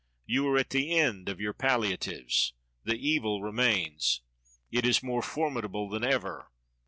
You are at the end of your palliatives. The evil remains. It is more formidable than ever.